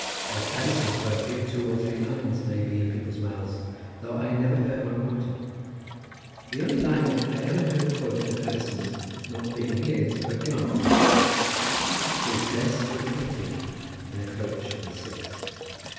Of Addison's poetry, two or three lines may be in people's mouths, though I have never heard one quoted, the only line which I ever heard quoted as Addison's not being his, but Garth's: "'Tis best repenting in a coach and six."